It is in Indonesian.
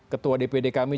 ketua dpd kami